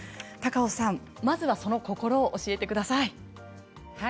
高尾さん、まずはその心を教えてください。